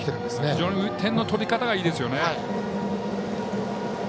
非常に点の取り方がいいですね。